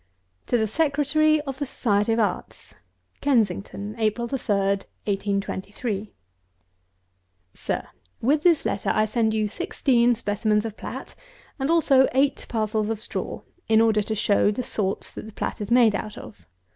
TO THE SECRETARY OF THE SOCIETY OF ARTS. KENSINGTON, April 3, 1823. SIR, With this letter I send you sixteen specimens of plat, and also eight parcels of straw, in order to show the sorts that the plat is made out of.